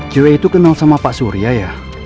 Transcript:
cewek itu kenal sama pak surya ya